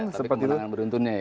tapi kemenangan beruntunnya ya